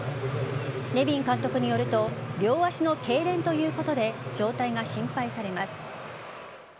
ネビン監督によると両足のけいれんということで状態が心配されます。